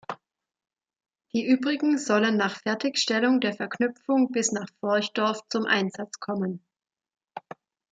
Die übrigen sollen nach Fertigstellung der Verknüpfung bis nach Vorchdorf zum Einsatz kommen.